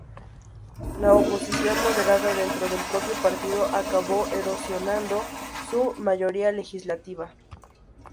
La oposición moderada dentro del propio partido acabó erosionando su mayoría legislativa.